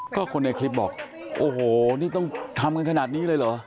ก็คนในคลิปบอกโอ้โหนี่ต้องทำกันขนาดนี้เลยเหรอ